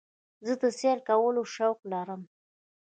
زه د سیل کولو شوق لرم.